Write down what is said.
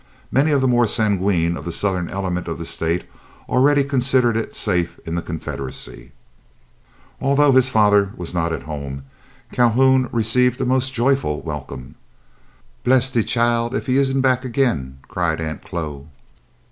Many of the more sanguine of the Southern element of the state already considered it safe in the Confederacy. Although his father was not at home, Calhoun received a most joyful welcome. "Bress de chile, if he isn't bac' again," cried Aunt Chloe.